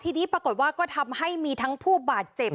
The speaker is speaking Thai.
ทีนี้ปรากฏว่าก็ทำให้มีทั้งผู้บาดเจ็บ